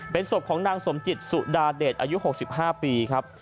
เป็นศพของนางสมจิตสุดาเดชอายุ๖๕ปีครับ